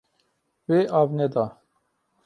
Wê av neda.